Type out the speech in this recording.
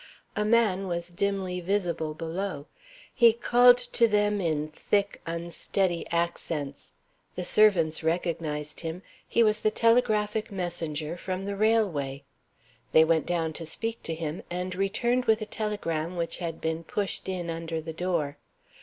A man was dimly visible below. He called to them in thick, unsteady accents. The servants recognized him: he was the telegraphic messenger from the railway. They went down to speak to him and returned with a telegram which had been pushed in under the door.